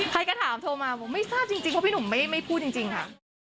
ใครก็ถามโทรมาบอกไม่ทราบจริงเพราะพี่หนุ่มไม่พูดจริงค่ะ